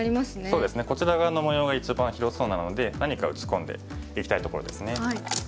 そうですねこちら側の模様が一番広そうなので何か打ち込んでいきたいところですね。